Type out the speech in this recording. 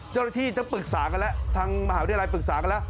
เจ้าหน้าที่ต้องปรึกษากันแล้วทางมหาวิทยาลัยปรึกษากันแล้ว